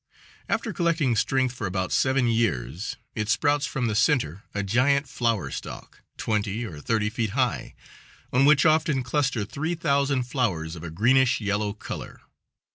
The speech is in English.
After collecting strength for about seven years it sprouts from the center a giant flower stalk, twenty or thirty feet high, on which often cluster three thousand flowers of a greenish yellow color.